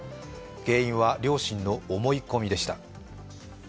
原因は両親の思い込みでした。